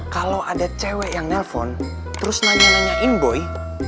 kalau ada cewek yang nelfon terus nanya nanyain boy